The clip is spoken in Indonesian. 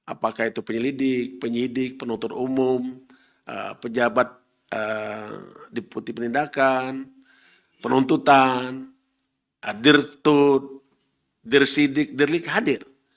apakah itu penyelidik penyidik penuntut umum pejabat diputi perlindakan penuntutan dirtut dirsidik dirlik hadir